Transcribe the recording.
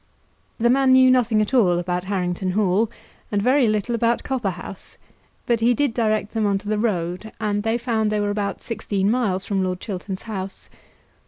The man knew nothing at all about Harrington Hall, and very little about Copperhouse; but he did direct them on to the road, and they found that they were about sixteen miles from Lord Chiltern's house.